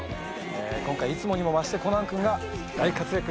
今回いつもにも増してコナン君が大活躍しています。